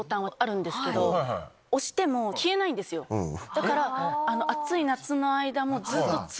だから。